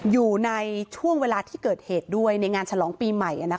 อยู่ในช่วงเวลาที่เกิดเหตุด้วยในงานฉลองปีใหม่